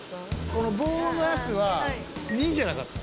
この棒のやつは２じゃなかった？